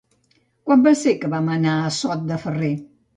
Quan va ser que vam anar a Sot de Ferrer?